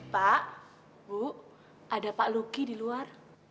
pak bu ada pak luki di luar